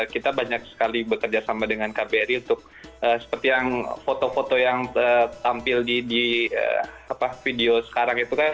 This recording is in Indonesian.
kita banyak sekali bekerja sama dengan kbri untuk seperti yang foto foto yang tampil di video sekarang itu kan